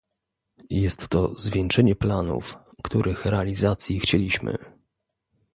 Jest to zwieńczenie planów, których realizacji chcieliśmy